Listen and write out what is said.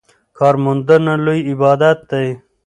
کارموندنه لوی عبادت دی.